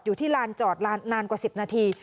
อยู่ที่ลานจอดนานกว่า๑๐นาที